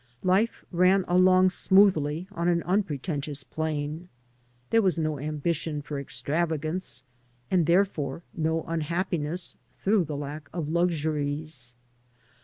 I Life ran along smoothly on an unpretentious plane. There was no ambition for extravagance, and therefore no imhappiness through the lack of luxuries.